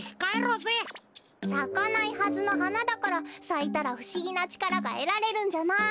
さかないはずのはなだからさいたらふしぎなちからがえられるんじゃない！